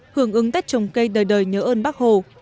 hưởng ứng tết trồng cây đời đời nhớ ơn bác hồ